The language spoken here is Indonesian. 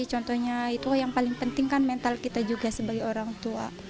contohnya itu yang paling penting kan mental kita juga sebagai orang tua